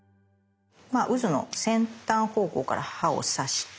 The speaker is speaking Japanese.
うずの先端方向から刃を刺して。